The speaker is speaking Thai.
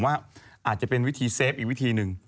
ว่าอาจจะเป็นวิธีเซฟอีกวิธีหนึ่ง